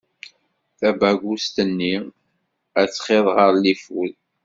Tabagust-nni, ad txiḍ ɣef lifud.